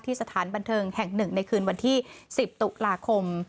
ที่สถานบันเทิงแห่ง๑ในคืนวันที่๑๐ตุลาคม